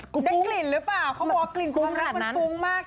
เขาบอกว่ากลิ่นความรักต้องฟุ้งมาก